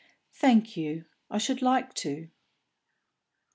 "Thank you, I should like to."